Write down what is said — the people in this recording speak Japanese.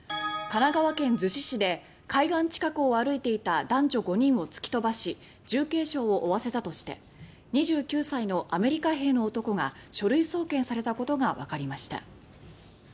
神奈川県逗子市で海岸近くを歩いていた男女５人を突き飛ばし重軽傷を負わせたとして２９歳のアメリカ兵の男性が書類送検されたことがわかりました。